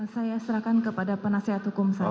saya serahkan kepada penasihat hukum saya